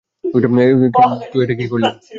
তুই এটা কি করলি?